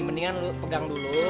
mendingan lu pegang dulu